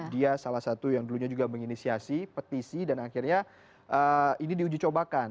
dia salah satu yang dulunya juga menginisiasi petisi dan akhirnya ini diuji cobakan